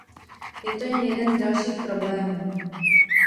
Je to jen jeden z dalších problémů.